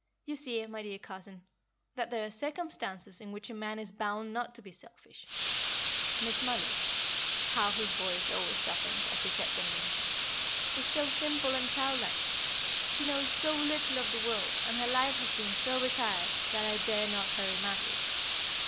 "You see, my dear cousin, that there are circumstances in which a man is bound not to be selfish. Miss Mollie" how his voice always softened as he said the name! "is so simple and childlike; she knows so little of the world, and her life has been so retired, that I dare not hurry matters.